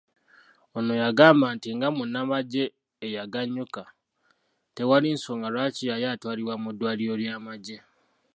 Ono yagamba nti nga munnamagye eyagannyuka, tewaali nsonga lwaki yali atwalibwa mu ddwaliro ly'amagye.